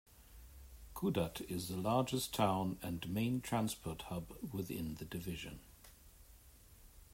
Kudat is the largest town and main transport hub within the division.